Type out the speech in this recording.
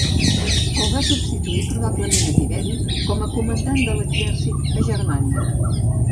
El va substituir probablement a Tiberi com a comandant de l’exèrcit a Germània.